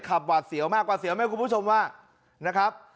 ขับหวาดเสียวมากหวาดเสียวไหมครับคุณผู้ชมว่านะครับ